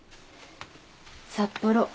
札幌。